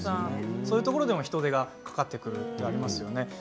そういうところでも人手がかかってくるということありますよね。